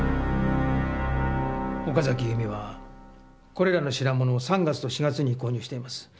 岡崎由美はこれらの品物を３月と４月に購入しています。